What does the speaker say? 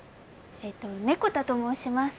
えと猫田と申します。